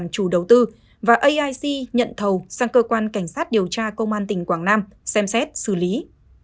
chủ đầu tư và aic nhận thầu sang cơ quan cảnh sát điều tra công an tỉnh quảng nam xem xét xử lý